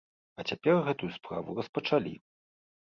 А цяпер гэтую справу распачалі.